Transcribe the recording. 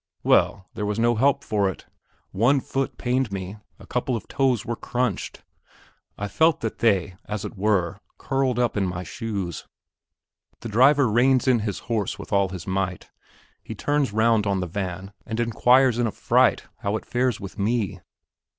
Well, there was no help for it; one foot pained me, a couple of toes were crunched. I felt that they, as it were, curled up in my shoes. The driver reins in his horse with all his might. He turns round on the van and inquires in a fright how it fares with me.